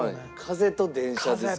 風と電車。